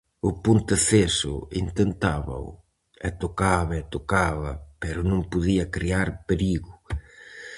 O Ponteceso intentábao, e tocaba e tocaba pero non podía crear perigo.